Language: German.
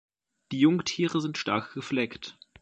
Die Jungtiere sind stark gefleckt.